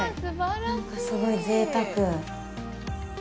なんか、すごいぜいたく。